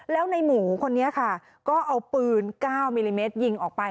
แล้วในหมูคนนี้ค่ะก็เอาปืน๙มิลลิเมตรยิงออกไป